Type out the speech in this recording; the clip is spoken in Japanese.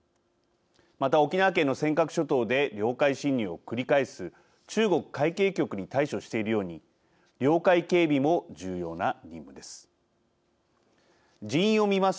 また沖縄県の尖閣諸島で領海侵入を繰り返す中国海警局に対処しているように領海警備も重要な任務です。